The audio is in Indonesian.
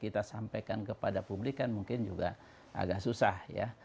kita sampaikan kepada publik kan mungkin juga agak susah ya